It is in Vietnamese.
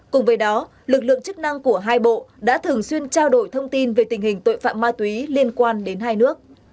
cùng với đó lực lượng chức năng của hai bộ đã thường xuyên trao đổi thông tin về tình hình tội phạm ma túy liên quan đến hai nước